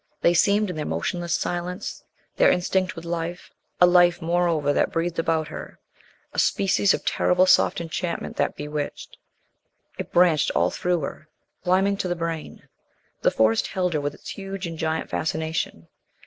They seemed in their motionless silence there instinct with life, a life, moreover, that breathed about her a species of terrible soft enchantment that bewitched. It branched all through her, climbing to the brain. The Forest held her with its huge and giant fascination.